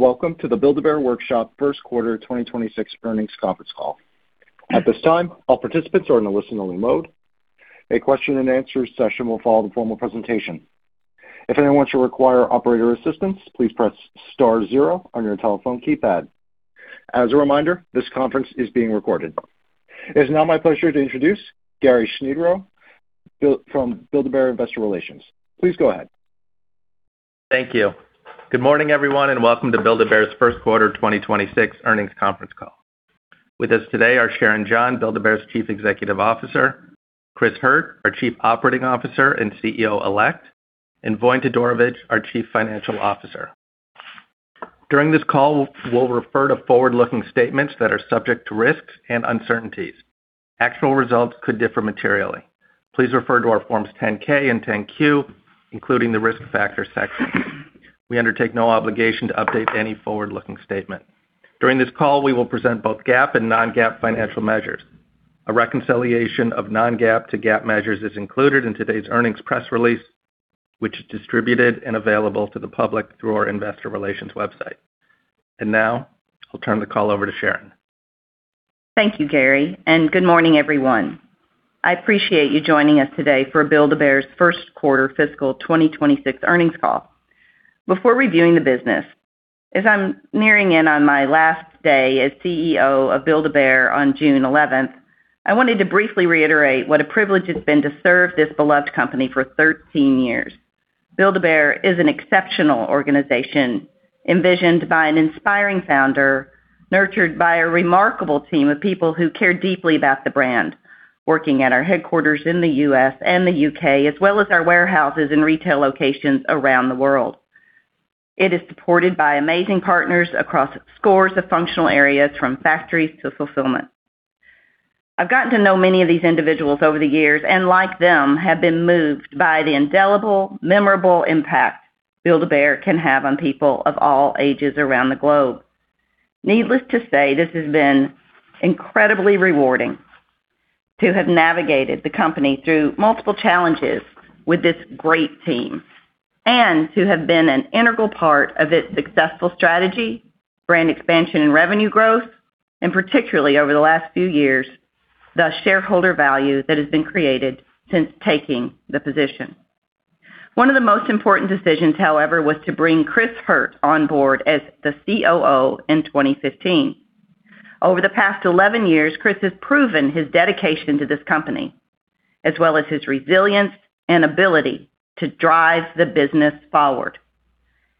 Welcome to the Build-A-Bear Workshop first quarter 2026 earnings conference call. At this time, all participants are in a listen-only mode. A question and answer session will follow the formal presentation. If anyone should require operator assistance, please press star zero on your telephone keypad. As a reminder, this conference is being recorded. It is now my pleasure to introduce Gary Schnierow from Build-A-Bear Investor Relations. Please go ahead. Thank you. Good morning, everyone, and welcome to Build-A-Bear's first quarter 2026 earnings conference call. With us today are Sharon John, Build-A-Bear's Chief Executive Officer, Chris Hurt, our Chief Operating Officer and CEO elect, and Voin Todorovic, our Chief Financial Officer. During this call, we'll refer to forward-looking statements that are subject to risks and uncertainties. Actual results could differ materially. Please refer to our Forms 10-K and 10-Q, including the risk factor section. We undertake no obligation to update any forward-looking statement. During this call, we will present both GAAP and non-GAAP financial measures. A reconciliation of non-GAAP to GAAP measures is included in today's earnings press release, which is distributed and available to the public through our investor relations website. Now, I'll turn the call over to Sharon. Thank you, Gary. Good morning, everyone. I appreciate you joining us today for Build-A-Bear's first quarter fiscal 2026 earnings call. Before reviewing the business, as I'm nearing in on my last day as CEO of Build-A-Bear on June 11th, I wanted to briefly reiterate what a privilege it's been to serve this beloved company for 13 years. Build-A-Bear is an exceptional organization, envisioned by an inspiring founder, nurtured by a remarkable team of people who care deeply about the brand, working at our headquarters in the U.S. and the U.K., as well as our warehouses and retail locations around the world. It is supported by amazing partners across scores of functional areas, from factories to fulfillment. I've gotten to know many of these individuals over the years, and like them, have been moved by the indelible, memorable impact Build-A-Bear can have on people of all ages around the globe. Needless to say, this has been incredibly rewarding to have navigated the company through multiple challenges with this great team and to have been an integral part of its successful strategy, brand expansion, and revenue growth, and particularly over the last few years, the shareholder value that has been created since taking the position. One of the most important decisions, however, was to bring Chris Hurt on board as the COO in 2015. Over the past 11 years, Chris has proven his dedication to this company, as well as his resilience and ability to drive the business forward.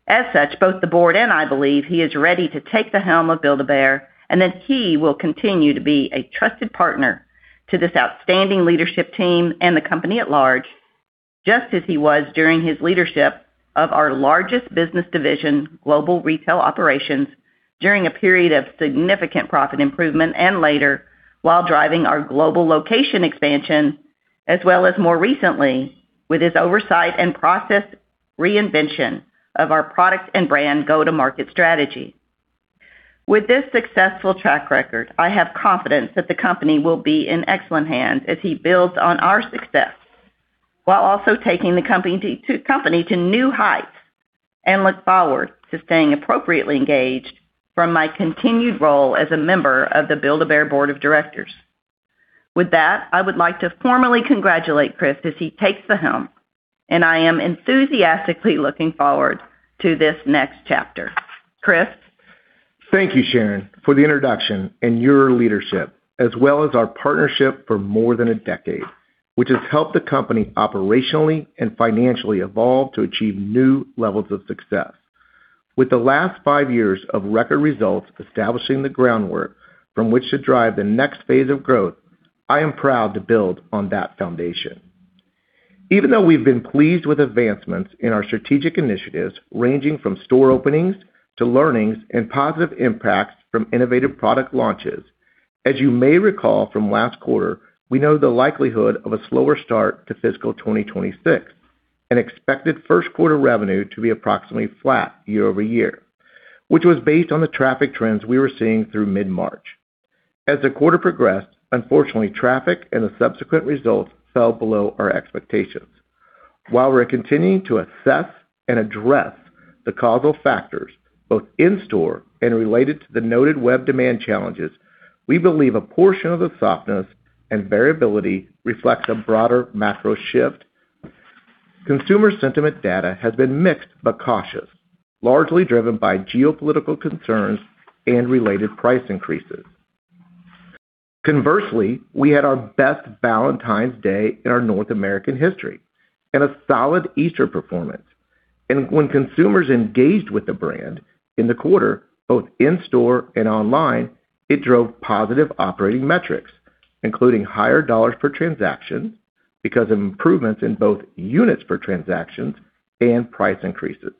As such, both the board and I believe he is ready to take the helm of Build-A-Bear and that he will continue to be a trusted partner to this outstanding leadership team and the company at large, just as he was during his leadership of our largest business division, global retail operations, during a period of significant profit improvement and later, while driving our global location expansion, as well as more recently with his oversight and process reinvention of our product and brand go-to-market strategy. With this successful track record, I have confidence that the company will be in excellent hands as he builds on our success while also taking the company to new heights and look forward to staying appropriately engaged from my continued role as a member of the Build-A-Bear board of directors. With that, I would like to formally congratulate Chris as he takes the helm, and I am enthusiastically looking forward to this next chapter. Chris? Thank you, Sharon, for the introduction and your leadership, as well as our partnership for more than a decade, which has helped the company operationally and financially evolve to achieve new levels of success. With the last five years of record results establishing the groundwork from which to drive the next phase of growth, I am proud to build on that foundation. Even though we've been pleased with advancements in our strategic initiatives, ranging from store openings to learnings and positive impacts from innovative product launches. As you may recall from last quarter, we know the likelihood of a slower start to fiscal 2026, and expected first quarter revenue to be approximately flat year-over-year, which was based on the traffic trends we were seeing through mid-March. As the quarter progressed, unfortunately, traffic and the subsequent results fell below our expectations. While we're continuing to assess and address the causal factors, both in store and related to the noted web demand challenges, we believe a portion of the softness and variability reflects a broader macro shift. Consumer sentiment data has been mixed but cautious, largely driven by geopolitical concerns and related price increases. Conversely, we had our best Valentine's Day in our North American history and a solid Easter performance. When consumers engaged with the brand in the quarter, both in store and online, it drove positive operating metrics, including higher dollars per transaction because of improvements in both units per transaction and price increases.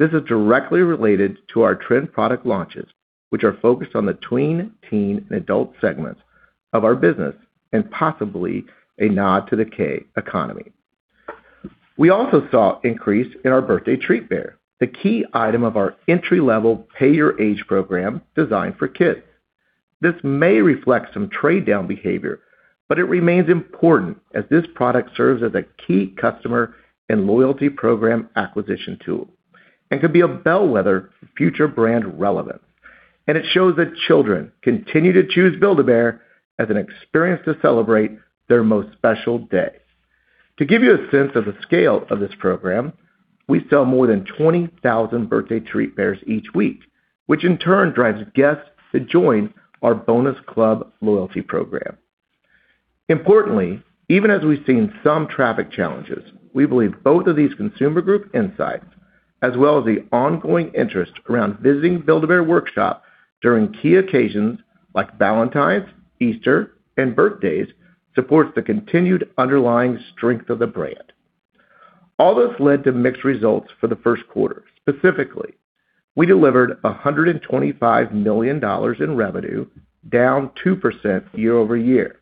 This is directly related to our trend product launches, which are focused on the tween, teen, and adult segments of our business, and possibly a nod to the K economy. We also saw increase in our Birthday Treat Bear, the key item of our entry-level Pay Your Age program designed for kids This may reflect some trade-down behavior, but it remains important as this product serves as a key customer and loyalty program acquisition tool and could be a bellwether for future brand relevance. It shows that children continue to choose Build-A-Bear as an experience to celebrate their most special day. To give you a sense of the scale of this program, we sell more than 20,000 Birthday Treat Bears each week, which in turn drives guests to join our Bonus Club loyalty program. Importantly, even as we've seen some traffic challenges, we believe both of these consumer group insights, as well as the ongoing interest around visiting Build-A-Bear Workshop during key occasions like Valentine's, Easter, and birthdays, supports the continued underlying strength of the brand. All this led to mixed results for the first quarter. Specifically, we delivered $125 million in revenue, down 2% year-over-year.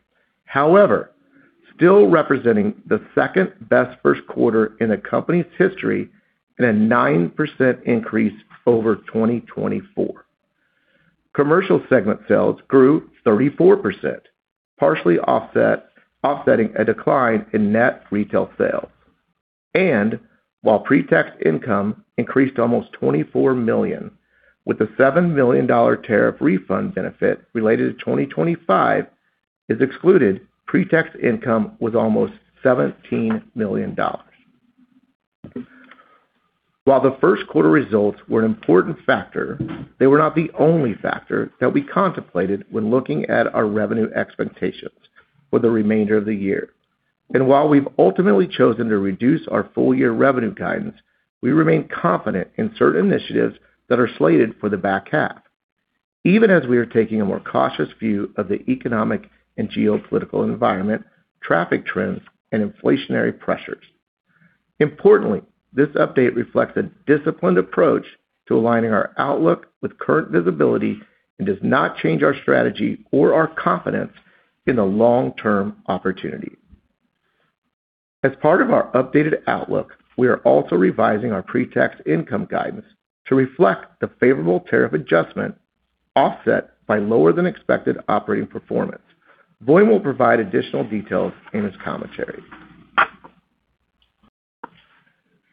Still representing the second-best first quarter in the company's history and a 9% increase over 2024. Commercial segment sales grew 34%, partially offsetting a decline in net retail sales. While pre-tax income increased almost $24 million, with a $7 million tariff refund benefit related to 2025 is excluded, pre-tax income was almost $17 million. While the first quarter results were an important factor, they were not the only factor that we contemplated when looking at our revenue expectations for the remainder of the year. While we've ultimately chosen to reduce our full-year revenue guidance, we remain confident in certain initiatives that are slated for the back half, even as we are taking a more cautious view of the economic and geopolitical environment, traffic trends, and inflationary pressures. Importantly, this update reflects a disciplined approach to aligning our outlook with current visibility and does not change our strategy or our confidence in the long-term opportunity. As part of our updated outlook, we are also revising our pre-tax income guidance to reflect the favorable tariff adjustment offset by lower than expected operating performance. Voin will provide additional details in his commentary.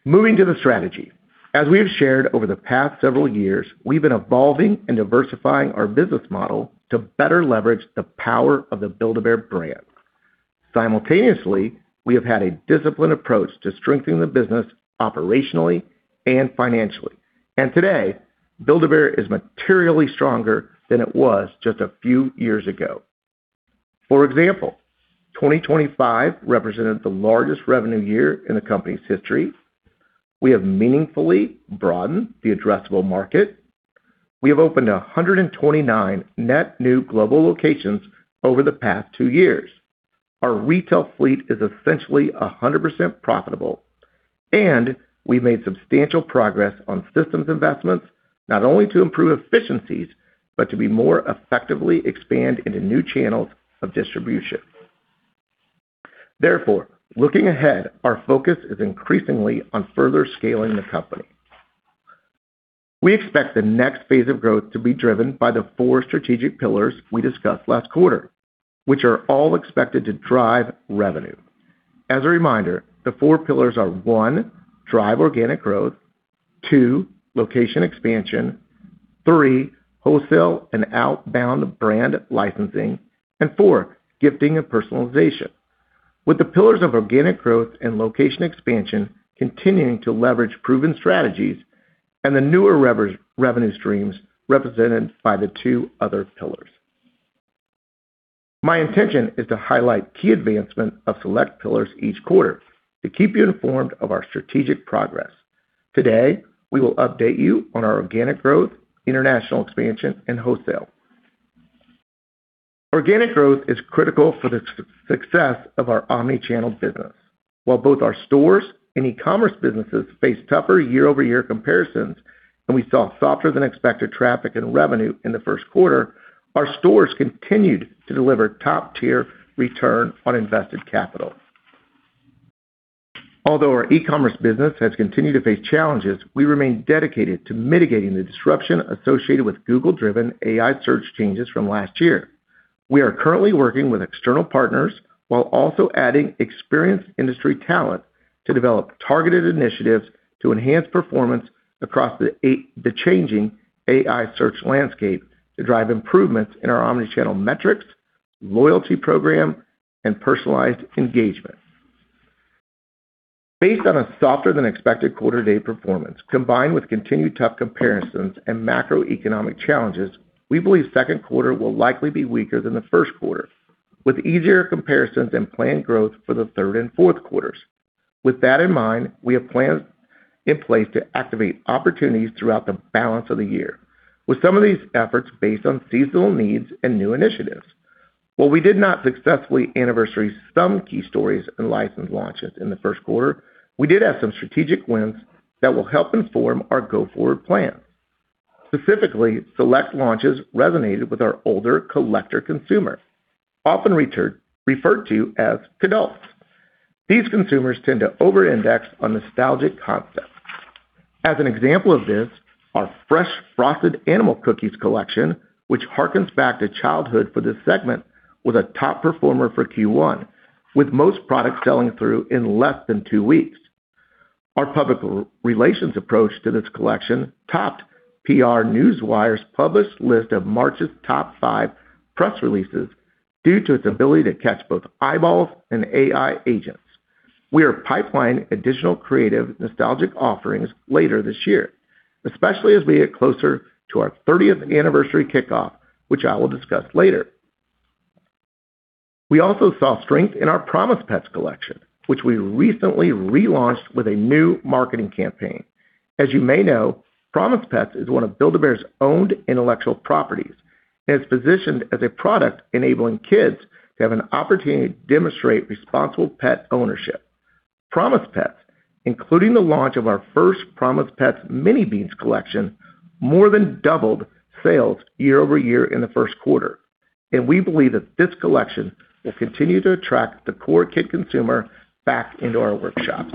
Moving to the strategy. As we have shared over the past several years, we've been evolving and diversifying our business model to better leverage the power of the Build-A-Bear brand. Simultaneously, we have had a disciplined approach to strengthening the business operationally and financially. Today, Build-A-Bear is materially stronger than it was just a few years ago. For example, 2025 represented the largest revenue year in the company's history. We have meaningfully broadened the addressable market. We have opened 129 net new global locations over the past two years. Our retail fleet is essentially 100% profitable. We made substantial progress on systems investments, not only to improve efficiencies, but to be more effectively expand into new channels of distribution. Therefore, looking ahead, our focus is increasingly on further scaling the company. We expect the next phase of growth to be driven by the four strategic pillars we discussed last quarter, which are all expected to drive revenue. As a reminder, the four pillars are, one, drive organic growth. Two, location expansion. Three, wholesale and outbound brand licensing. Four, gifting and personalization. With the pillars of organic growth and location expansion continuing to leverage proven strategies and the newer revenue streams represented by the two other pillars. My intention is to highlight key advancement of select pillars each quarter to keep you informed of our strategic progress. Today, we will update you on our organic growth, international expansion, and wholesale. Organic growth is critical for the success of our omni-channel business. While both our stores and e-commerce businesses face tougher year-over-year comparisons and we saw softer-than-expected traffic and revenue in the first quarter, our stores continued to deliver top-tier return on invested capital. Although our e-commerce business has continued to face challenges, we remain dedicated to mitigating the disruption associated with Google-driven AI search changes from last year. We are currently working with external partners while also adding experienced industry talent to develop targeted initiatives to enhance performance across the changing AI search landscape to drive improvements in our omni-channel metrics, loyalty program, and personalized engagement. Based on a softer than expected quarter-to-date performance, combined with continued tough comparisons and macroeconomic challenges, we believe second quarter will likely be weaker than the first quarter, with easier comparisons and planned growth for the third and fourth quarters. With that in mind, we have plans in place to activate opportunities throughout the balance of the year, with some of these efforts based on seasonal needs and new initiatives. While we did not successfully anniversary some key stories and license launches in the first quarter, we did have some strategic wins that will help inform our go-forward plan. Specifically, select launches resonated with our older collector consumer, often referred to as kidults. These consumers tend to over-index on nostalgic concepts. As an example of this, our Fresh Frosted Animal Cookies collection, which harkens back to childhood for this segment, was a top performer for Q1, with most products selling through in less than two weeks. Our public relations approach to this collection topped PR Newswire's published list of March's top five press releases due to its ability to catch both eyeballs and AI agents. We are pipelining additional creative nostalgic offerings later this year, especially as we get closer to our 30th-anniversary kickoff, which I will discuss later. We also saw strength in our Promise Pets collection, which we recently relaunched with a new marketing campaign. As you may know, Promise Pets is one of Build-A-Bear's owned intellectual properties and is positioned as a product enabling kids to have an opportunity to demonstrate responsible pet ownership. Promise Pets, including the launch of our first Promise Pets Mini Beans collection, more than doubled sales year-over-year in the first quarter, and we believe that this collection will continue to attract the core kid consumer back into our workshops.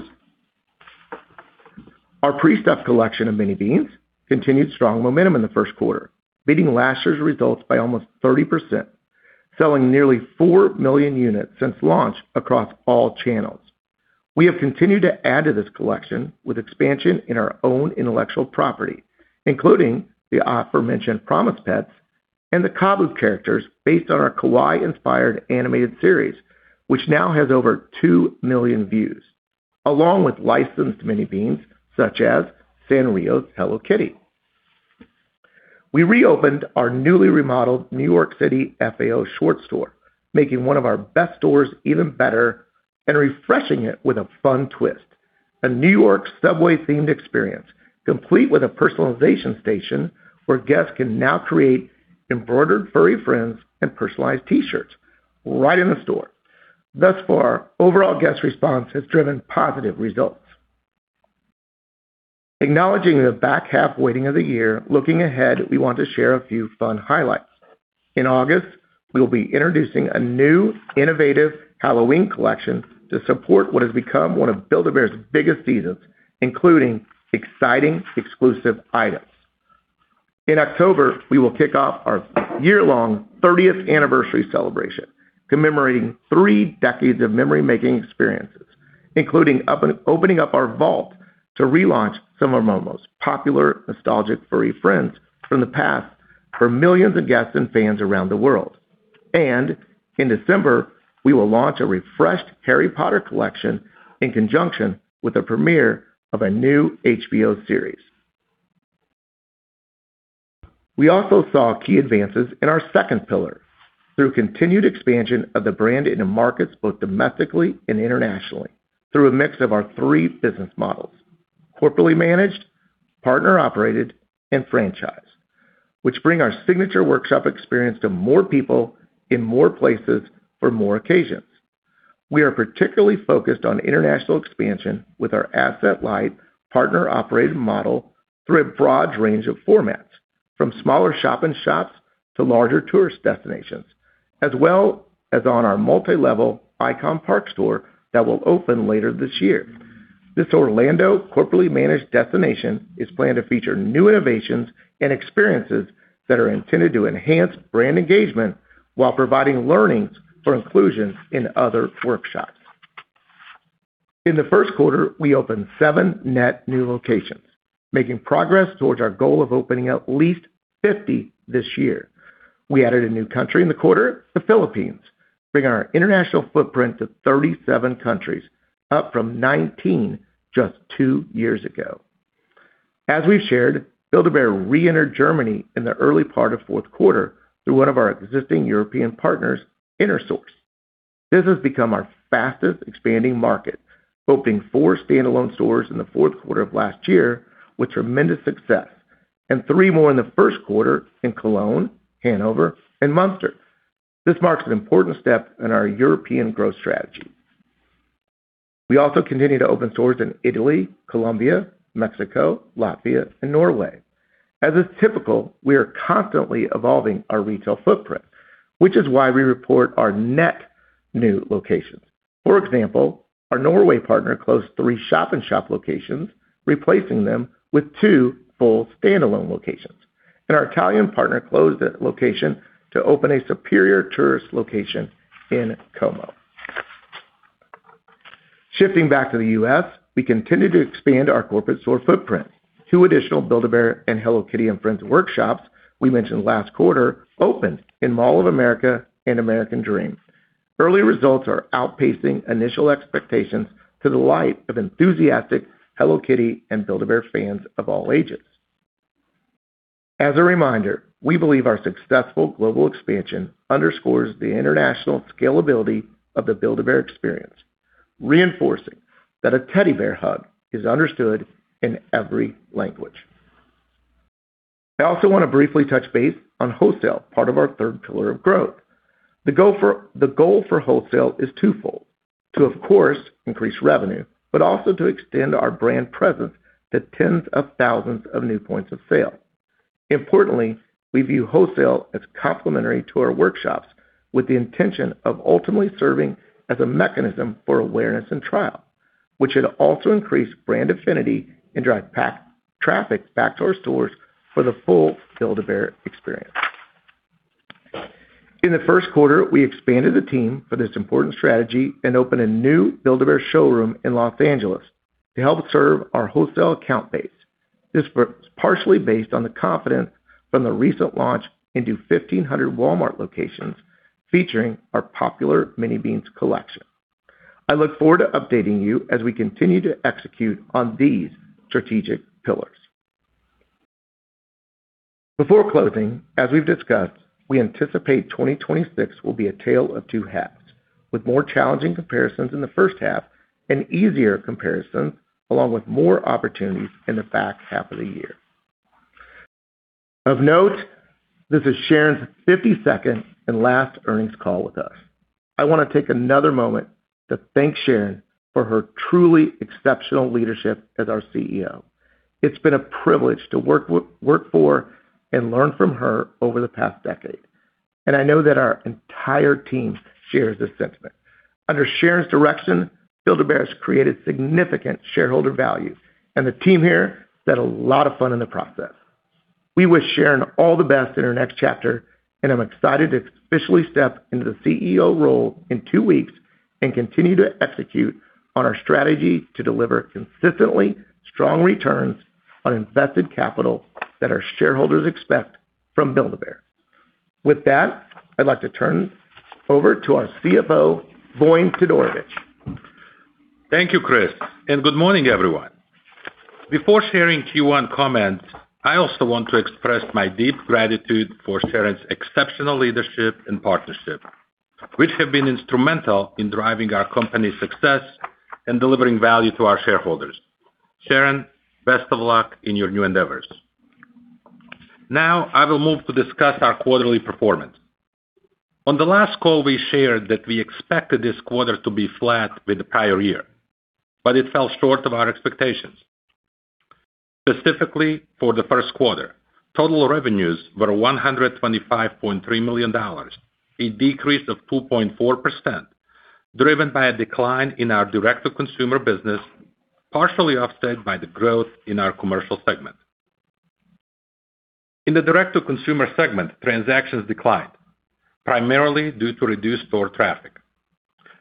Our pre-stuff collection of Mini Beans continued strong momentum in the first quarter, beating last year's results by almost 30%, selling nearly four million units since launch across all channels. We have continued to add to this collection with expansion in our own intellectual property, including the aforementioned Promise Pets and the Kabu characters based on our kawaii-inspired animated series, which now has over two million views, along with licensed Mini Beans such as Sanrio's Hello Kitty. We reopened our newly remodeled New York City FAO Schwarz store, making one of our best stores even better and refreshing it with a fun twist, a New York subway-themed experience, complete with a personalization station where guests can now create embroidered furry friends and personalized T-shirts right in the store. Thus far, overall guest response has driven positive results. Acknowledging the back half waiting of the year, looking ahead, we want to share a few fun highlights. In August, we will be introducing a new innovative Halloween collection to support what has become one of Build-A-Bear's biggest seasons, including exciting exclusive items. In October, we will kick off our year-long 30th anniversary celebration, commemorating three decades of memory-making experiences, including opening up our vault to relaunch some of our most popular nostalgic furry friends from the past for millions of guests and fans around the world. In December, we will launch a refreshed Harry Potter collection in conjunction with the premiere of a new HBO series. We also saw key advances in our second pillar through continued expansion of the brand into markets both domestically and internationally through a mix of our three business models, corporately managed, partner-operated, and franchise, which bring our signature workshop experience to more people in more places for more occasions. We are particularly focused on international expansion with our asset-light partner-operated model through a broad range of formats, from smaller shop-in-shops to larger tourist destinations, as well as on our multi-level ICON Park store that will open later this year. This Orlando corporately managed destination is planned to feature new innovations and experiences that are intended to enhance brand engagement while providing learnings for inclusion in other workshops. In the first quarter, we opened seven net new locations, making progress towards our goal of opening at least 50 this year. We added a new country in the quarter, the Philippines, bringing our international footprint to 37 countries, up from 19 just two years ago. As we've shared, Build-A-Bear re-entered Germany in the early part of fourth quarter through one of our existing European partners, Intersource. This has become our fastest expanding market, opening four standalone stores in the fourth quarter of last year with tremendous success and three more in the first quarter in Cologne, Hanover, and Münster. This marks an important step in our European growth strategy. We also continue to open stores in Italy, Colombia, Mexico, Latvia, and Norway. As is typical, we are constantly evolving our retail footprint, which is why we report our net new locations. For example, our Norway partner closed three shop-in-shop locations, replacing them with two full standalone locations, and our Italian partner closed a location to open a superior tourist location in Como. Shifting back to the U.S., we continue to expand our corporate store footprint. Two additional Build-A-Bear and Hello Kitty and Friends workshops we mentioned last quarter opened in Mall of America and American Dream. Early results are outpacing initial expectations to the light of enthusiastic Hello Kitty and Build-A-Bear fans of all ages. As a reminder, we believe our successful global expansion underscores the international scalability of the Build-A-Bear experience, reinforcing that a teddy bear hug is understood in every language. I also want to briefly touch base on wholesale, part of our third pillar of growth. The goal for wholesale is twofold, to, of course, increase revenue, but also to extend our brand presence to tens of thousands of new points of sale. Importantly, we view wholesale as complementary to our workshops with the intention of ultimately serving as a mechanism for awareness and trial, which should also increase brand affinity and drive traffic back to our stores for the full Build-A-Bear experience. In the first quarter, we expanded the team for this important strategy and opened a new Build-A-Bear showroom in Los Angeles to help serve our wholesale account base. This was partially based on the confidence from the recent launch into 1,500 Walmart locations featuring our popular Mini Beans collection. I look forward to updating you as we continue to execute on these strategic pillars. Before closing, as we've discussed, we anticipate 2026 will be a tale of two halves, with more challenging comparisons in the first half and easier comparisons, along with more opportunities in the back half of the year. Of note, this is Sharon's 52nd and last earnings call with us. I want to take another moment to thank Sharon for her truly exceptional leadership as our CEO. It's been a privilege to work for and learn from her over the past decade, and I know that our entire team shares this sentiment. Under Sharon's direction, Build-A-Bear has created significant shareholder value, and the team here has had a lot of fun in the process. We wish Sharon all the best in her next chapter. I'm excited to officially step into the CEO role in two weeks and continue to execute on our strategy to deliver consistently strong returns on invested capital that our shareholders expect from Build-A-Bear. With that, I'd like to turn over to our CFO, Voin Todorovic. Thank you, Chris, and good morning, everyone. Before sharing Q1 comments, I also want to express my deep gratitude for Sharon's exceptional leadership and partnership, which have been instrumental in driving our company's success and delivering value to our shareholders. Sharon, best of luck in your new endeavors. Now, I will move to discuss our quarterly performance. On the last call, we shared that we expected this quarter to be flat with the prior year, but it fell short of our expectations. Specifically, for the first quarter, total revenues were $125.3 million, a decrease of 2.4%, driven by a decline in our direct-to-consumer business, partially offset by the growth in our commercial segment. In the direct-to-consumer segment, transactions declined, primarily due to reduced store traffic.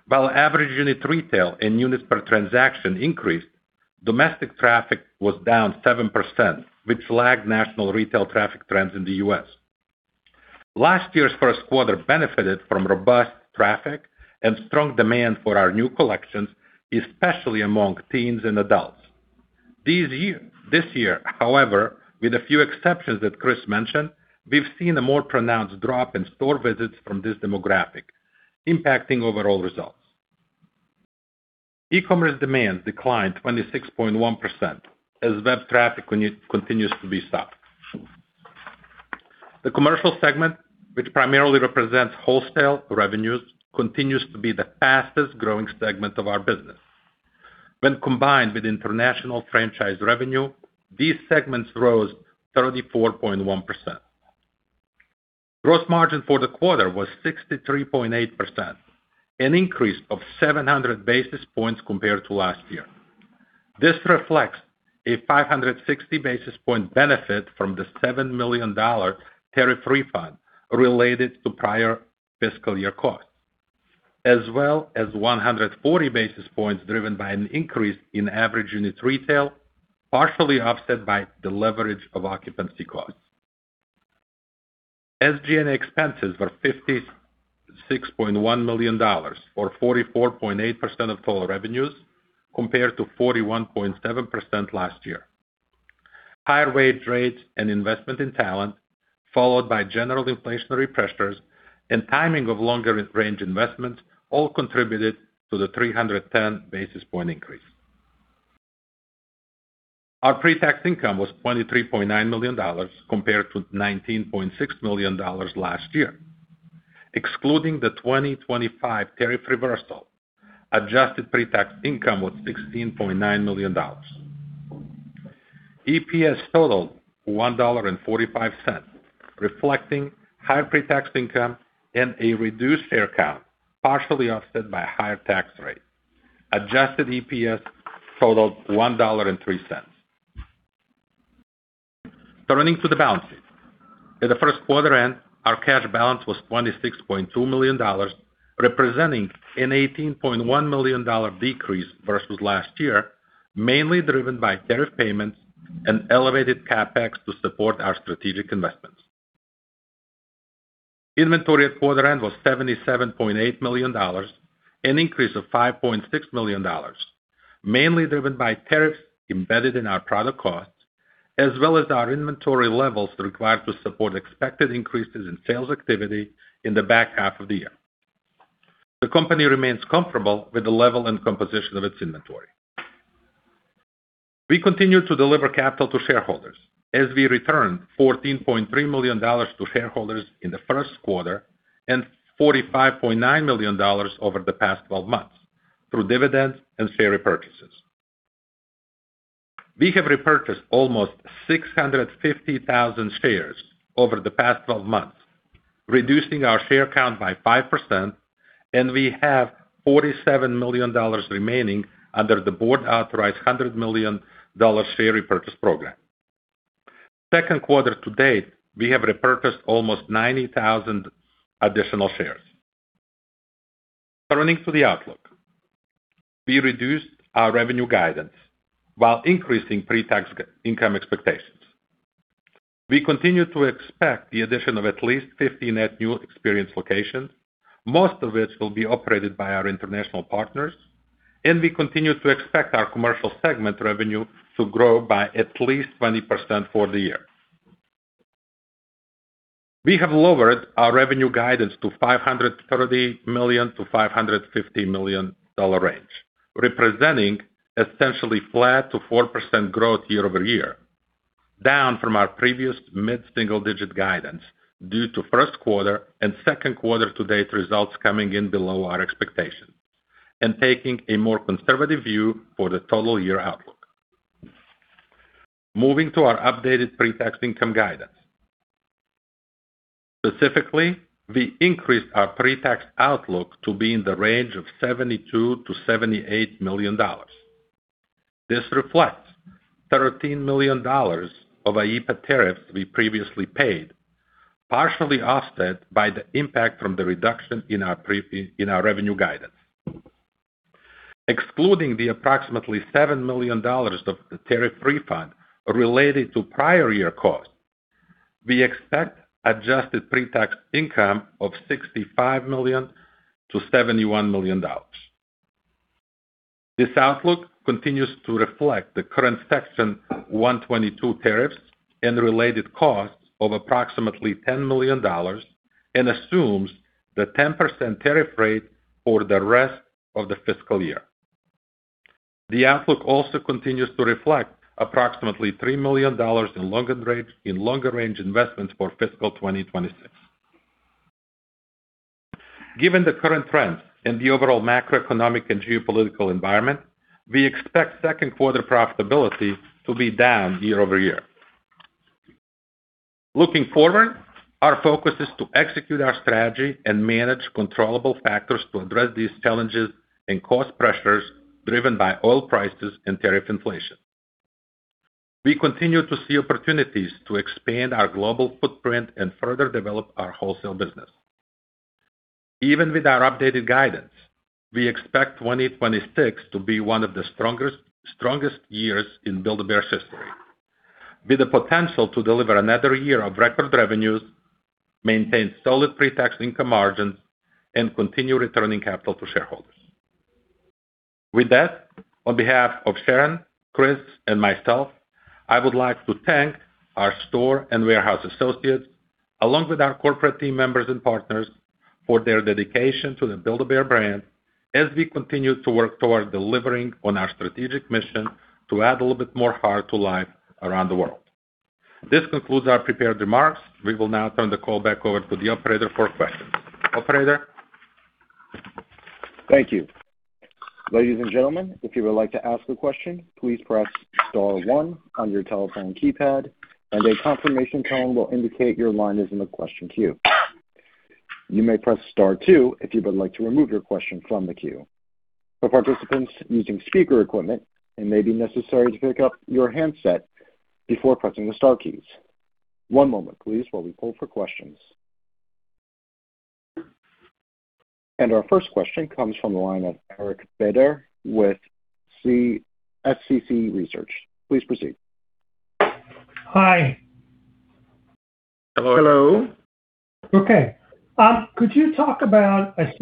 While average unit retail and units per transaction increased, domestic traffic was down 7%, which lagged national retail traffic trends in the U.S. Last year's first quarter benefited from robust traffic and strong demand for our new collections, especially among teens and adults. This year, however, with a few exceptions that Chris mentioned, we've seen a more pronounced drop in store visits from this demographic, impacting overall results. E-commerce demand declined 26.1% as web traffic continues to be soft. The commercial segment, which primarily represents wholesale revenues, continues to be the fastest-growing segment of our business. When combined with international franchise revenue, these segments rose 34.1%. Gross margin for the quarter was 63.8%, an increase of 700 basis points compared to last year. This reflects a 560-basis-point benefit from the $7 million tariff refund related to prior fiscal year costs, as well as 140 basis points driven by an increase in average unit retail, partially offset by the leverage of occupancy costs. SG&A expenses were $56.1 million, or 44.8% of total revenues, compared to 41.7% last year. Higher wage rates and investment in talent, followed by general inflationary pressures and timing of longer range investments, all contributed to the 310-basis-point increase. Our pre-tax income was $23.9 million, compared to $19.6 million last year. Excluding the 2025 tariff reversal, adjusted pre-tax income was $16.9 million. EPS totaled $1.45, reflecting higher pre-tax income and a reduced share count, partially offset by a higher tax rate. Adjusted EPS totaled $1.03. Turning to the balance sheet. At the first quarter end, our cash balance was $26.2 million, representing an $18.1 million decrease versus last year, mainly driven by tariff payments and elevated CapEx to support our strategic investments. Inventory at quarter end was $77.8 million, an increase of $5.6 million, mainly driven by tariffs embedded in our product costs, as well as our inventory levels required to support expected increases in sales activity in the back half of the year. The company remains comfortable with the level and composition of its inventory. We continue to deliver capital to shareholders as we returned $14.3 million to shareholders in the first quarter and $45.9 million over the past 12 months through dividends and share repurchases. We have repurchased almost 650,000 shares over the past 12 months, reducing our share count by 5%, and we have $47 million remaining under the board authorized $100 million share repurchase program. Second quarter to date, we have repurchased almost 90,000 additional shares. Turning to the outlook. We reduced our revenue guidance while increasing pre-tax income expectations. We continue to expect the addition of at least 50 net new experience locations, most of which will be operated by our international partners. We continue to expect our commercial segment revenue to grow by at least 20% for the year. We have lowered our revenue guidance to a $530 million-$550 million range, representing essentially flat to 4% growth year-over-year, down from our previous mid-single digit guidance due to first quarter and second quarter to date results coming in below our expectations. Taking a more conservative view for the total year outlook. Moving to our updated pre-tax income guidance. Specifically, we increased our pre-tax outlook to be in the range of $72 million-$78 million. This reflects $13 million of IEEPA tariffs we previously paid, partially offset by the impact from the reduction in our revenue guidance. Excluding the approximately $7 million of tariff refund related to prior year costs, we expect adjusted pre-tax income of $65 million-$71 million. This outlook continues to reflect the current Section 122 tariffs and related costs of approximately $10 million and assumes the 10% tariff rate for the rest of the fiscal year. The outlook also continues to reflect approximately $3 million in longer range investments for fiscal 2026. Given the current trends and the overall macroeconomic and geopolitical environment, we expect second quarter profitability to be down year-over-year. Looking forward, our focus is to execute our strategy and manage controllable factors to address these challenges and cost pressures driven by oil prices and tariff inflation. We continue to see opportunities to expand our global footprint and further develop our wholesale business. Even with our updated guidance, we expect 2026 to be one of the strongest years in Build-A-Bear's history, with the potential to deliver another year of record revenues, maintain solid pre-tax income margins, and continue returning capital to shareholders. With that, on behalf of Sharon, Chris, and myself, I would like to thank our store and warehouse associates, along with our corporate team members and partners, for their dedication to the Build-A-Bear brand as we continue to work toward delivering on our strategic mission to add a little bit more heart to life around the world. This concludes our prepared remarks. We will now turn the call back over to the operator for questions. Operator? Thank you. Ladies and gentlemen, if you would like to ask a question, please press star one on your telephone keypad, and a confirmation tone will indicate your line is in the question queue. You may press star two if you would like to remove your question from the queue. For participants using speaker equipment, it may be necessary to pick up your handset before pressing the star keys. One moment please while we pull for questions. Our first question comes from the line of Eric Beder with SCC Research. Please proceed. Hi. Hello. Okay. I see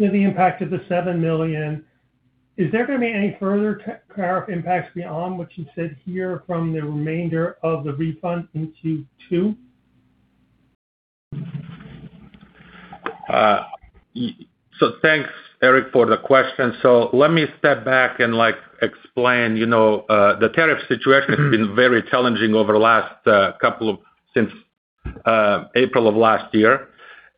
the impact of the $7 million. Is there going to be any further tariff impacts beyond what you said here from the remainder of the refund in Q2? Thanks, Eric, for the question. Let me step back and explain. The tariff situation has been very challenging since April of last year.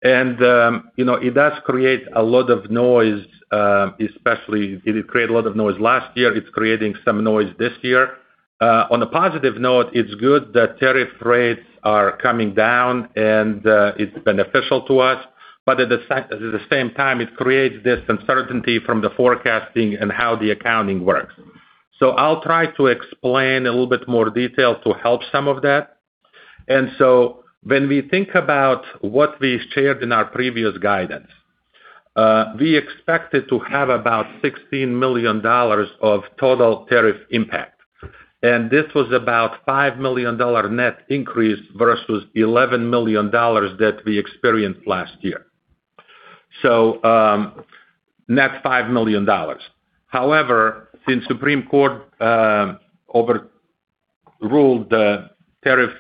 It does create a lot of noise, especially it created a lot of noise last year. It's creating some noise this year. On a positive note, it's good that tariff rates are coming down, and it's beneficial to us, but at the same time, it creates this uncertainty from the forecasting and how the accounting works. I'll try to explain a little bit more detail to help some of that. When we think about what we shared in our previous guidance, we expected to have about $16 million of total tariff impact. This was about $5 million net increase versus $11 million that we experienced last year. Net $5 million. However, since Supreme Court overruled the tariff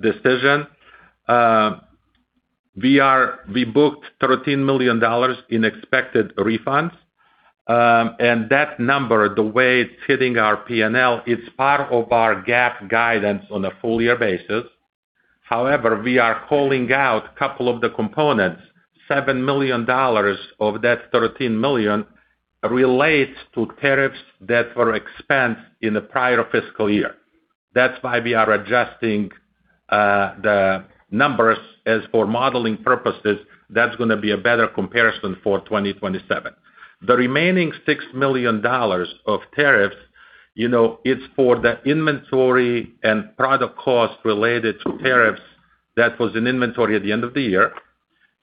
decision, we booked $13 million in expected refunds. That number, the way it's hitting our P&L, it's part of our GAAP guidance on a full year basis. However, we are calling out a couple of the components, $7 million of that $13 million relates to tariffs that were expensed in the prior fiscal year. That's why we are adjusting the numbers. As for modeling purposes, that's going to be a better comparison for 2027. The remaining $6 million of tariffs, it's for the inventory and product cost related to tariffs that was in inventory at the end of the year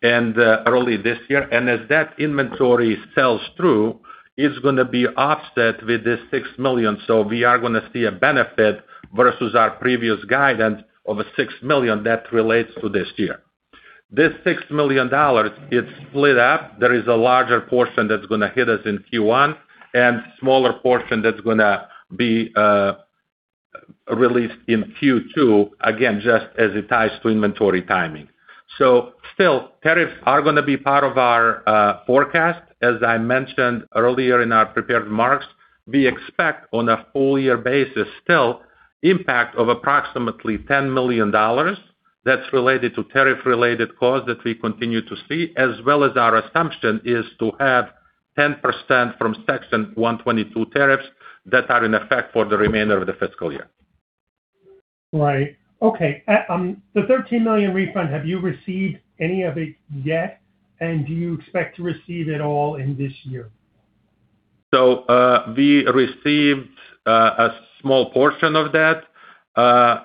and early this year. As that inventory sells through, it's going to be offset with the $6 million. We are going to see a benefit versus our previous guidance of a $6 million that relates to this year. This $6 million is split up. There is a larger portion that's going to hit us in Q1 and smaller portion that's going to be released in Q2, again, just as it ties to inventory timing. Still, tariffs are going to be part of our forecast. As I mentioned earlier in our prepared remarks, we expect on a full year basis still impact of approximately $10 million that's related to tariff related costs that we continue to see, as well as our assumption is to have 10% from Section 122 tariffs that are in effect for the remainder of the fiscal year. Right. Okay. The $13 million refund, have you received any of it yet, and do you expect to receive it all in this year? We received a small portion of that.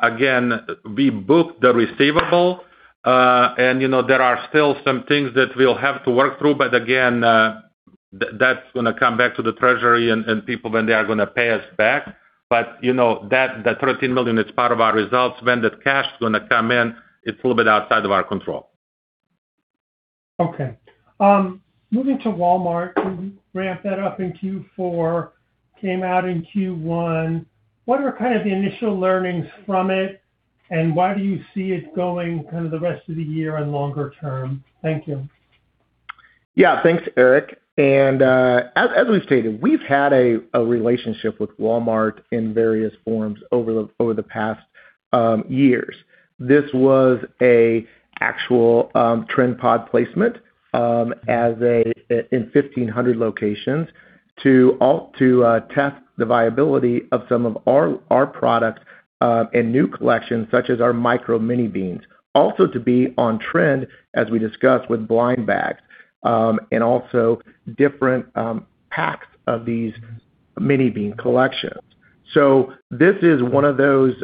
Again, we booked the receivable, and there are still some things that we'll have to work through, but again, that's going to come back to the treasury and people when they are going to pay us back. That $13 million is part of our results. When that cash is going to come in, it's a little bit outside of our control. Okay. Moving to Walmart, you ramped that up in Q4, came out in Q1. What are kind of the initial learnings from it, and why do you see it going kind of the rest of the year and longer term? Thank you. Thanks, Eric. As we've stated, we've had a relationship with Walmart in various forms over the past years. This was an actual trend pod placement in 1,500 locations to test the viability of some of our products and new collections such as our Micro Mini Beans. Also to be on trend, as we discussed, with blind bags, different packs of these Mini Beans collections. This is one of those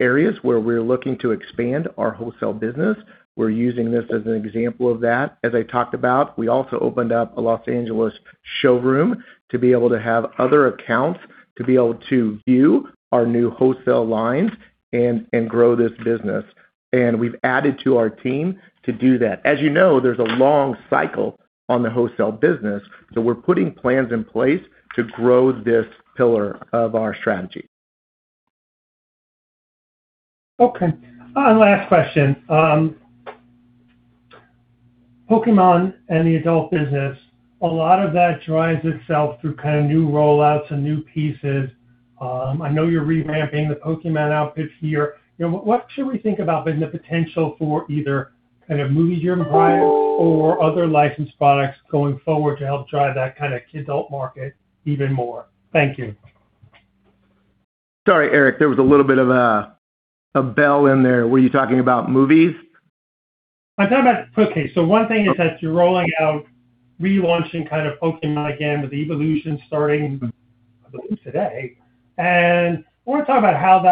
areas where we're looking to expand our wholesale business. We're using this as an example of that. As I talked about, we also opened up a Los Angeles showroom to be able to have other accounts, to be able to view our new wholesale lines and grow this business. We've added to our team to do that. As you know, there's a long cycle on the wholesale business, so we're putting plans in place to grow this pillar of our strategy. Okay. Last question. Pokémon and the adult business, a lot of that drives itself through kind of new rollouts and new pieces. I know you're revamping the Pokémon outfits here. What should we think about the potential for either kind of-- or other licensed products going forward to help drive that kind of kidult market even more? Thank you. Sorry, Eric, there was a little bit of a bell in there. Were you talking about movies? Okay, one thing is that you're rolling out relaunching kind of Pokémon again, with the evolution starting, I believe today. I want to talk about how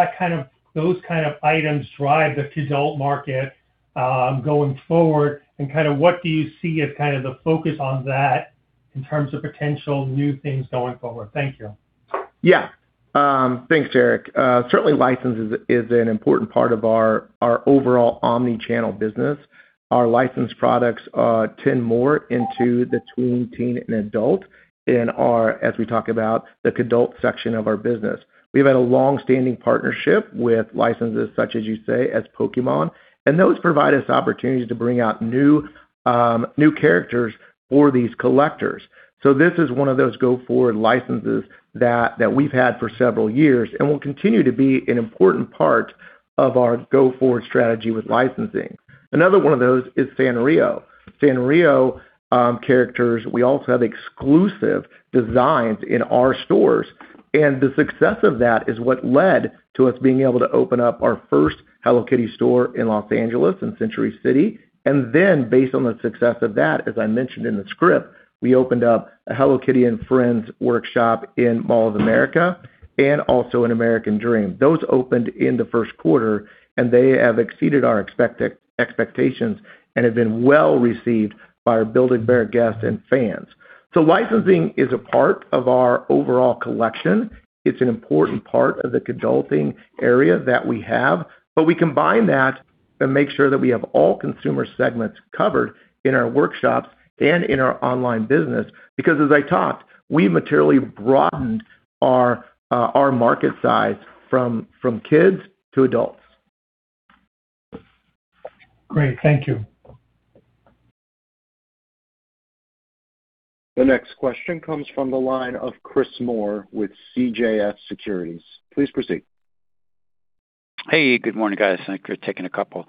those kind of items drive the kidult market, going forward and kind of what do you see as kind of the focus on that in terms of potential new things going forward? Thank you. Thanks, Eric. Certainly license is an important part of our overall omni-channel business. Our licensed products tend more into the tween, teen, and adult in our, as we talk about, the kidult section of our business. We've had a long-standing partnership with licenses such as you say, as Pokémon, and those provide us opportunities to bring out new characters for these collectors. This is one of those go-forward licenses that we've had for several years and will continue to be an important part of our go-forward strategy with licensing. Another one of those is Sanrio. Sanrio characters, we also have exclusive designs in our stores, and the success of that is what led to us being able to open up our first Hello Kitty store in Los Angeles in Century City. Based on the success of that, as I mentioned in the script, we opened up a Hello Kitty and Friends workshop in Mall of America and also in American Dream. Those opened in the first quarter, and they have exceeded our expectations and have been well received by our Build-A-Bear guests and fans. Licensing is a part of our overall collection. It's an important part of the kidulting area that we have. We combine that to make sure that we have all consumer segments covered in our workshops and in our online business, because as I talked, we materially broadened our market size from kids to adults. Great. Thank you. The next question comes from the line of Chris Moore with CJS Securities. Please proceed. Good morning, guys. Thanks for taking a couple.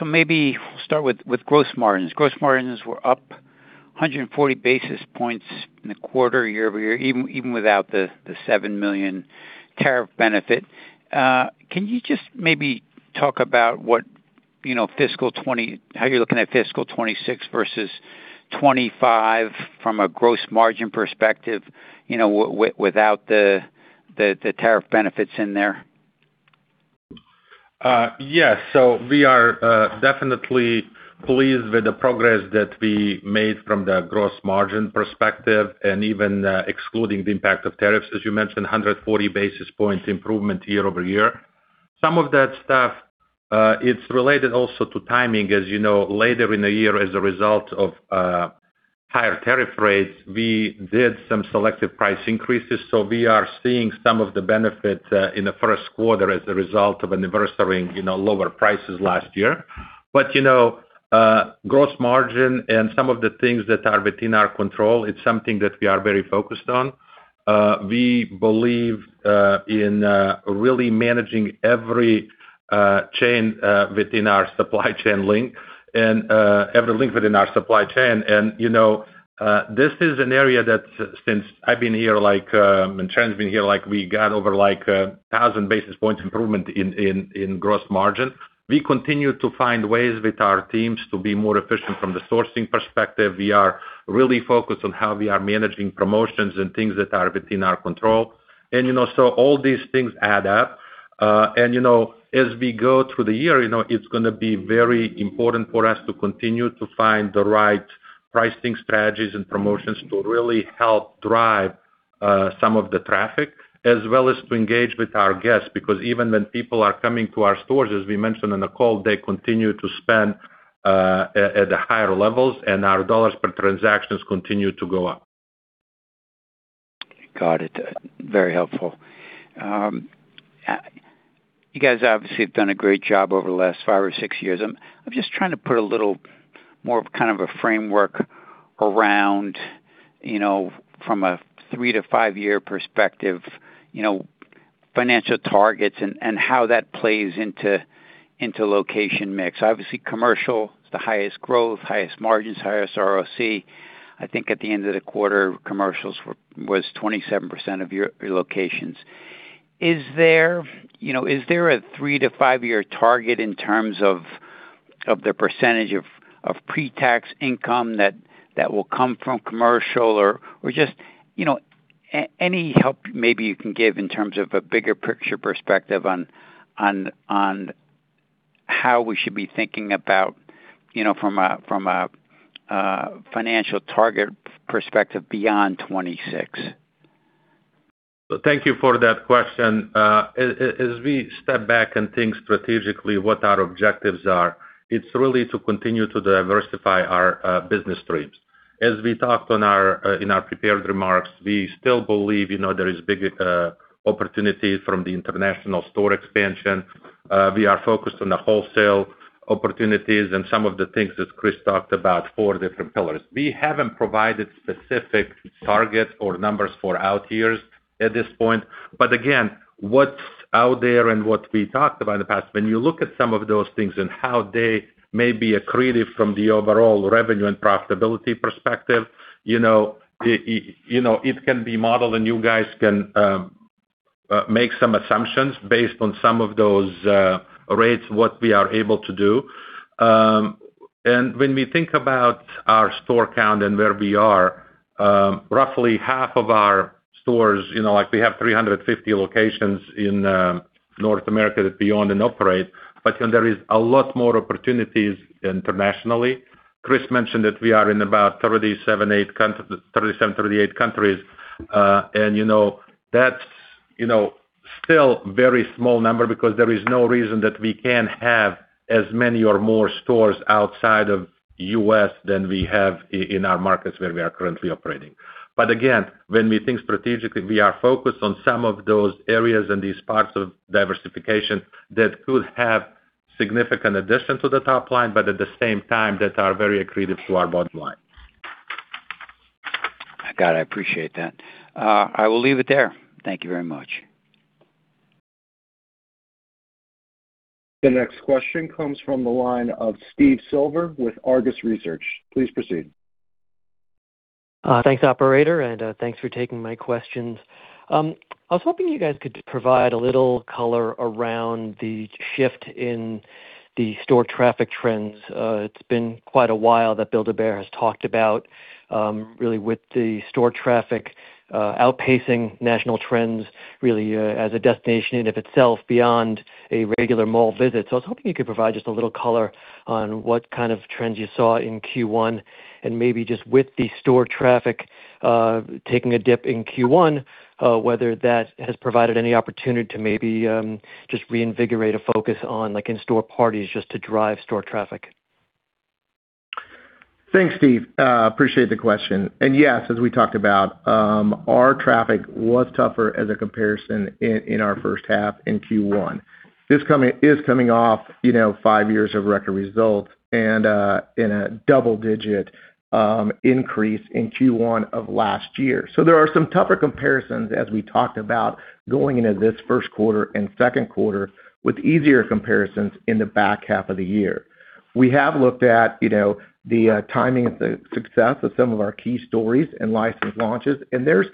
Maybe start with gross margins. Gross margins were up 140 basis points in the quarter year-over-year, even without the $7 million tariff benefit. Can you just maybe talk about how you're looking at fiscal 2026 versus 2025 from a gross margin perspective without the tariff benefits in there? Yes. We are definitely pleased with the progress that we made from the gross margin perspective and even excluding the impact of tariffs, as you mentioned, 140 basis points improvement year-over-year. Some of that stuff, it's related also to timing. As you know, later in the year, as a result of higher tariff rates, we did some selective price increases. We are seeing some of the benefit in the first quarter as a result of anniversarying lower prices last year. Gross margin and some of the things that are within our control, it's something that we are very focused on. We believe in really managing every chain within our supply chain link and every link within our supply chain. This is an area that since I've been here, like Mantan's been here, like we got over like 1,000 basis points improvement in gross margin. We continue to find ways with our teams to be more efficient from the sourcing perspective. We are really focused on how we are managing promotions and things that are within our control. All these things add up. As we go through the year, it's going to be very important for us to continue to find the right pricing strategies and promotions to really help drive some of the traffic as well as to engage with our guests. Because even when people are coming to our stores, as we mentioned on the call, they continue to spend at higher levels, and our dollars per transactions continue to go up. Got it. Very helpful. You guys obviously have done a great job over the last five or six years. I am just trying to put a little more of kind of a framework around from a three to five-year perspective, financial targets and how that plays into location mix. Obviously, commercial is the highest growth, highest margins, highest ROC. I think at the end of the quarter, commercials was 27% of your locations. Is there a three to five-year target in terms of the percentage of pre-tax income that will come from commercial? Or just any help maybe you can give in terms of a bigger picture perspective on how we should be thinking about from a financial target perspective beyond 2026. Thank you for that question. As we step back and think strategically what our objectives are, it's really to continue to diversify our business streams. As we talked in our prepared remarks, we still believe there is big opportunity from the international store expansion. We are focused on the wholesale opportunities and some of the things that Chris talked about, four different pillars. We haven't provided specific targets or numbers for out years at this point. Again, what's out there and what we talked about in the past, when you look at some of those things and how they may be accretive from the overall revenue and profitability perspective, it can be modeled and you guys can make some assumptions based on some of those rates, what we are able to do. When we think about our store count and where we are, roughly half of our stores, like we have 350 locations in North America that we own and operate, but there is a lot more opportunities internationally. Chris mentioned that we are in about 37-38 countries. That's still very small number because there is no reason that we can't have as many or more stores outside of U.S. than we have in our markets where we are currently operating. Again, when we think strategically, we are focused on some of those areas and these parts of diversification that could have significant addition to the top line, but at the same time, that are very accretive to our bottom line. I got it. I appreciate that. I will leave it there. Thank you very much. The next question comes from the line of Steve Silver with Argus Research. Please proceed. Thanks, operator, and thanks for taking my questions. I was hoping you guys could provide a little color around the shift in the store traffic trends. It's been quite a while that Build-A-Bear has talked about really with the store traffic outpacing national trends, really, as a destination in of itself beyond a regular mall visit. I was hoping you could provide just a little color on what kind of trends you saw in Q1, and maybe just with the store traffic taking a dip in Q1, whether that has provided any opportunity to maybe just reinvigorate a focus on in-store parties just to drive store traffic. Thanks, Steve. Appreciate the question. Yes, as we talked about, our traffic was tougher as a comparison in our first half in Q1. This is coming off five years of record results and in a double-digit increase in Q1 of last year. There are some tougher comparisons as we talked about going into this first quarter and second quarter with easier comparisons in the back half of the year. We have looked at the timing of the success of some of our key stories and licensed launches, and there's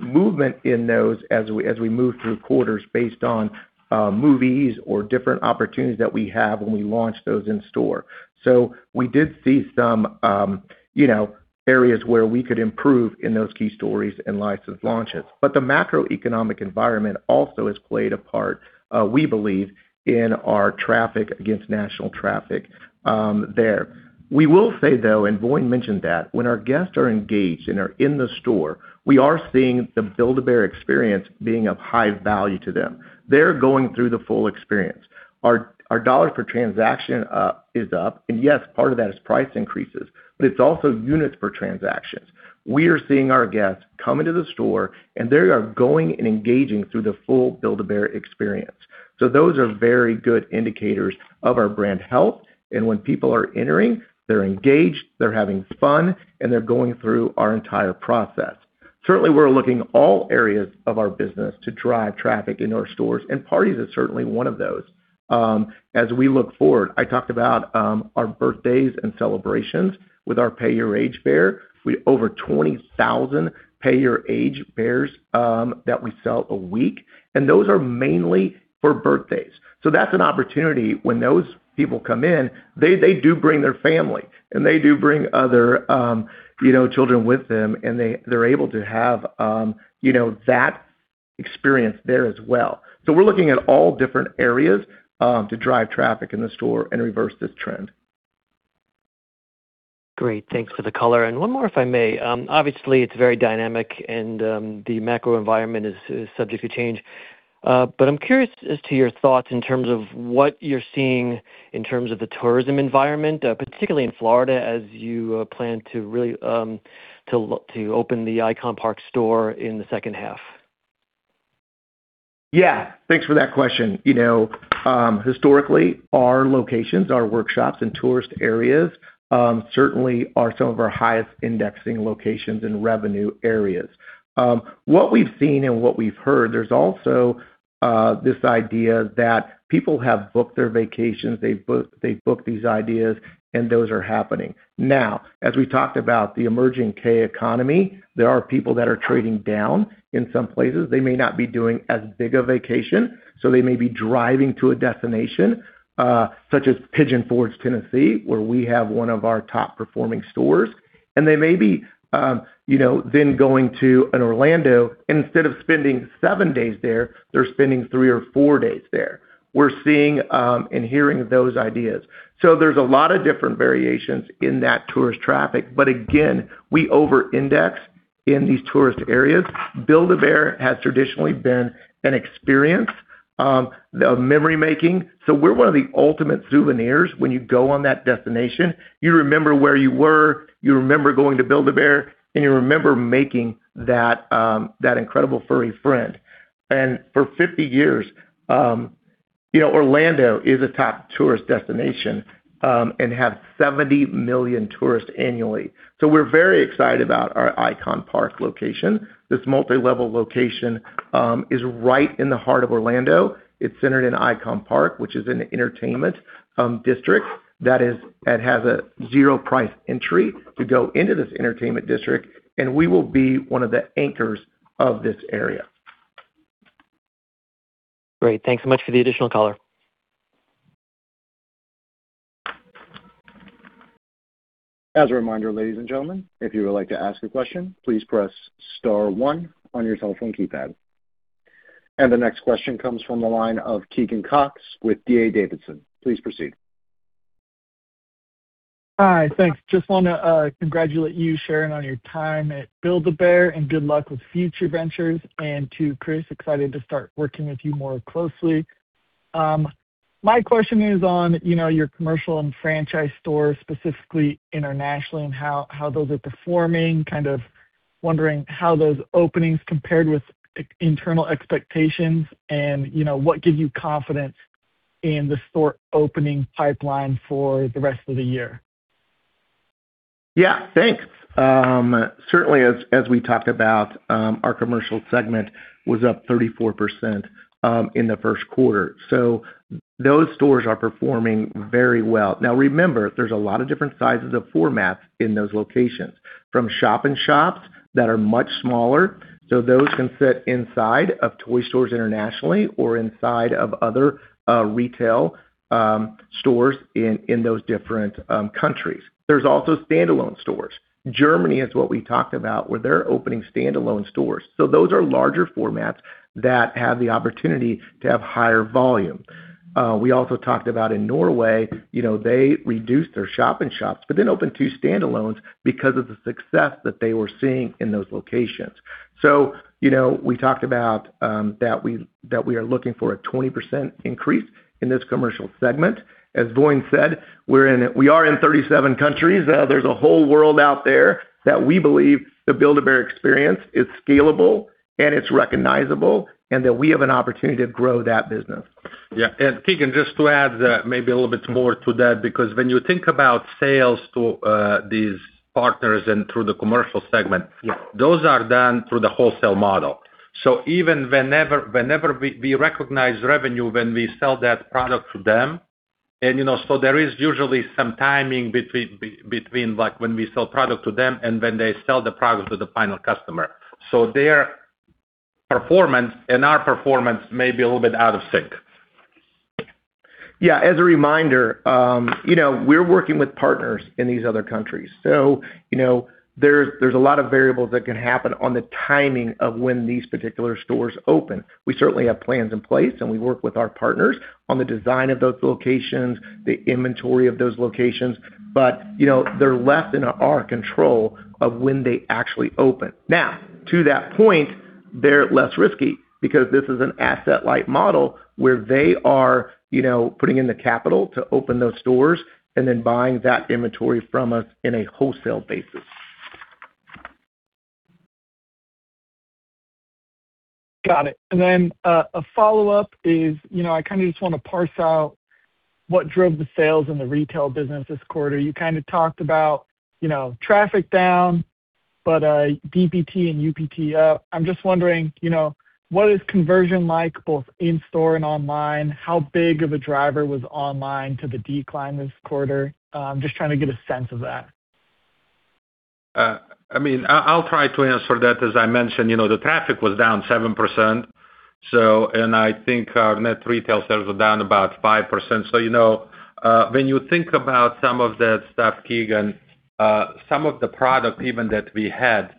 movement in those as we move through quarters based on movies or different opportunities that we have when we launch those in-store. We did see some areas where we could improve in those key stories and licensed launches. The macroeconomic environment also has played a part, we believe, in our traffic against national traffic there. We will say, though, Voin mentioned that when our guests are engaged and are in the store, we are seeing the Build-A-Bear experience being of high value to them. They're going through the full experience. Our dollar per transaction is up, and yes, part of that is price increases, but it's also units per transactions. We are seeing our guests come into the store and they are going and engaging through the full Build-A-Bear experience. Those are very good indicators of our brand health. When people are entering, they're engaged, they're having fun, and they're going through our entire process. Certainly, we're looking all areas of our business to drive traffic in our stores, and parties is certainly one of those. As we look forward, I talked about our birthdays and celebrations with our Pay Your Age Bear. Over 20,000 Pay Your Age Bears that we sell a week. Those are mainly for birthdays. That's an opportunity when those people come in, they do bring their family and they do bring other children with them, and they're able to have that experience there as well. We're looking at all different areas to drive traffic in the store and reverse this trend. Great. Thanks for the color. One more, if I may. Obviously, it's very dynamic and the macro environment is subject to change. I'm curious as to your thoughts in terms of what you're seeing in terms of the tourism environment, particularly in Florida as you plan to open the ICON Park store in the second half. Yeah. Thanks for that question. Historically, our locations, our workshops in tourist areas, certainly are some of our highest indexing locations and revenue areas. What we've seen and what we've heard, there's also this idea that people have booked their vacations, they've booked these ideas, and those are happening. As we talked about the emerging K economy, there are people that are trading down in some places. They may not be doing as big a vacation, they may be driving to a destination, such as Pigeon Forge, Tennessee, where we have one of our top-performing stores. They may be then going to an Orlando. Instead of spending seven days there, they're spending three or four days there. We're seeing and hearing those ideas. There's a lot of different variations in that tourist traffic. Again, we over-index in these tourist areas. Build-A-Bear has traditionally been an experience of memory-making. We're one of the ultimate souvenirs when you go on that destination. You remember where you were, you remember going to Build-A-Bear, and you remember making that incredible furry friend. For 50 years, Orlando is a top tourist destination and have 70 million tourists annually. We're very excited about our ICON Park location. This multi-level location is right in the heart of Orlando. It's centered in ICON Park, which is an entertainment district that has a zero price entry to go into this entertainment district, and we will be one of the anchors of this area. Great. Thanks so much for the additional color. As a reminder, ladies and gentlemen, if you would like to ask a question, please press star one on your telephone keypad. The next question comes from the line of Keegan Cox with D.A. Davidson. Please proceed. Hi. Thanks. Just want to congratulate you, Sharon, on your time at Build-A-Bear, and good luck with future ventures. To Chris, excited to start working with you more closely. My question is on your commercial and franchise stores, specifically internationally, and how those are performing. Kind of wondering how those openings compared with internal expectations and what gives you confidence in the store opening pipeline for the rest of the year? Yeah. Thanks. Certainly, as we talked about, our commercial segment was up 34% in the first quarter, so those stores are performing very well. Remember, there's a lot of different sizes of formats in those locations. From shop-in-shops that are much smaller, those can sit inside of toy stores internationally or inside of other retail stores in those different countries. There's also standalone stores. Germany is what we talked about, where they're opening standalone stores. Those are larger formats that have the opportunity to have higher volume. We also talked about in Norway, they reduced their shop-in-shops but then opened two standalones because of the success that they were seeing in those locations. We talked about that we are looking for a 20% increase in this commercial segment. As Voin said, we are in 37 countries. There's a whole world out there that we believe the Build-A-Bear experience is scalable and it's recognizable, and that we have an opportunity to grow that business. Yeah. Keegan, just to add maybe a little bit more to that, because when you think about sales to these partners and through the commercial segment. Yeah those are done through the wholesale model. Even whenever we recognize revenue when we sell that product to them, there is usually some timing between when we sell product to them and when they sell the product to the final customer. Their performance and our performance may be a little bit out of sync. Yeah. As a reminder, we're working with partners in these other countries. There's a lot of variables that can happen on the timing of when these particular stores open. We certainly have plans in place, and we work with our partners on the design of those locations, the inventory of those locations, but they're less in our control of when they actually open. To that point, they're less risky because this is an asset-light model where they are putting in the capital to open those stores and then buying that inventory from us in a wholesale basis. Got it. A follow-up is, I kind of just want to parse out what drove the sales in the retail business this quarter. You kind of talked about traffic down, DPT and UPT up. I'm just wondering, what is conversion like both in-store and online? How big of a driver was online to the decline this quarter? Just trying to get a sense of that. I'll try to answer that. As I mentioned, the traffic was down 7%. I think our net retail sales were down about 5%. When you think about some of that stuff, Keegan, some of the product even that we had,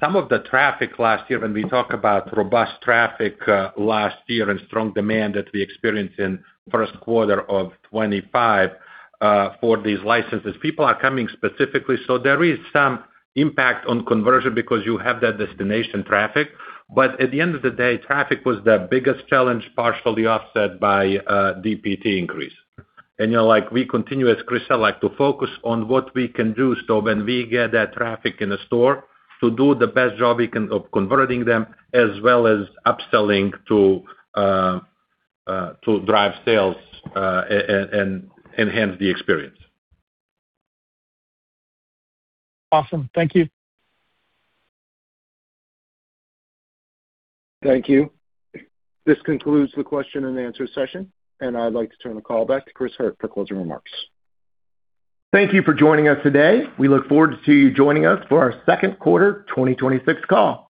some of the traffic last year when we talk about robust traffic last year and strong demand that we experienced in first quarter of 2025 for these licenses, people are coming specifically. There is some impact on conversion because you have that destination traffic. At the end of the day, traffic was the biggest challenge, partially offset by DPT increase. We continue, as Chris said, to focus on what we can do so when we get that traffic in the store, to do the best job we can of converting them, as well as upselling to drive sales and enhance the experience. Awesome. Thank you. Thank you. This concludes the question and answer session, and I'd like to turn the call back to Chris Hurt for closing remarks. Thank you for joining us today. We look forward to you joining us for our second quarter 2026 call.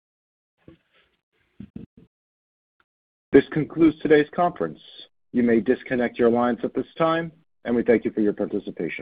This concludes today's conference. You may disconnect your lines at this time, and we thank you for your participation.